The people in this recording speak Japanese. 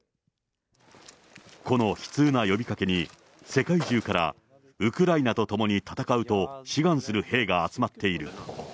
この悲痛な呼びかけに、世界中からウクライナと共に戦うと、志願する兵が集まっている。